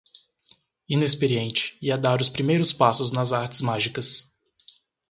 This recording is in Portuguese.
inexperiente e a dar os primeiros passos nas artes mágicas